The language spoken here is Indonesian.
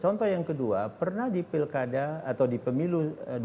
contoh yang kedua pernah di pilkada atau di pemilu dua ribu sembilan belas